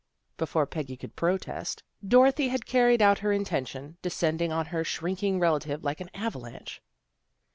Before Peggy could protest, Dorothy had carried out her intention, descending on her shrinking relative like an avalanche.